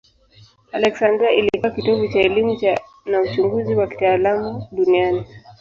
Aleksandria ilikuwa kitovu cha elimu na uchunguzi wa kitaalamu duniani.